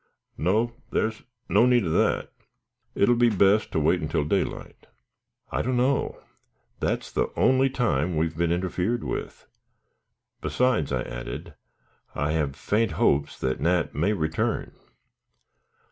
"No; there is no need of that. It will be best to wait until daylight." "I don't know; that's the only time we've been interfered with." "Besides," I added. "I have faint hopes that Nat may return."